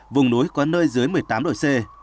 vùng núi có nơi dưới một mươi tám độ c